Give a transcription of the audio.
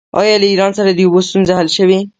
آیا له ایران سره د اوبو ستونزه حل شوې؟